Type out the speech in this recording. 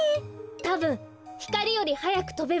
たぶんひかりよりはやくとべば。